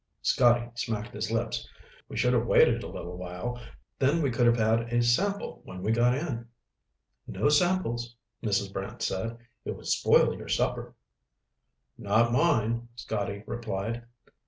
Scotty smacked his lips. "We should have waited a little while, then we could have had a sample when we got in." "No samples," Mrs. Brant said. "It would spoil your supper." "Not mine," Scotty replied.